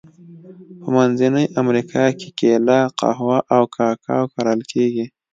په منځنۍ امریکا کې کېله، قهوه او کاکاو کرل کیږي.